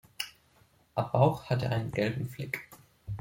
Am Bauch hat er einen gelben Fleck.